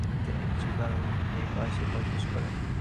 তিনি কিছুকাল সিভাসে বসবাস করেন।